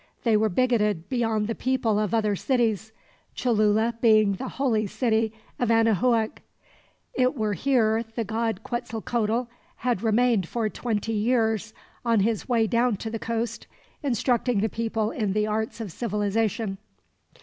They were bigoted beyond the people of other cities, Cholula being the holy city of Anahuac. It was here the god Quetzalcoatl had remained for twenty years on his way down to the coast, instructing the people in the arts of civilization.